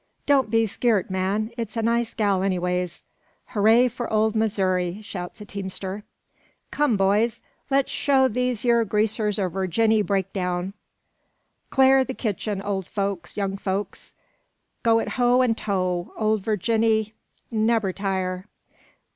"Don't be skeert, man; it's a nice gal, anyways." "Hooray for old Missouri!" shouts a teamster. "Come, boys! Let's show these yer greasers a Virginny break down. `Cl'ar the kitchen, old folks, young folks.'" "Go it hoe and toe! `Old Virginny nebir tire!'"